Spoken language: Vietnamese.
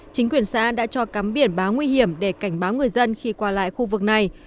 chính quyền xã đã cho cắm biển báo nguy hiểm để cảnh báo người dân khi qua lại khu vực này